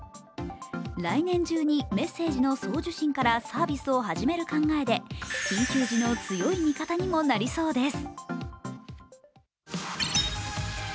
来年中にメッセージの送受信からサービスを始める考えで、緊急時の強い味方にもなりそうです。